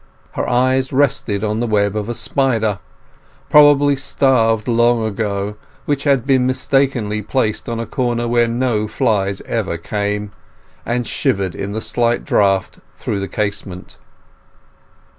Her eyes rested on the web of a spider, probably starved long ago, which had been mistakenly placed in a corner where no flies ever came, and shivered in the slight draught through the casement.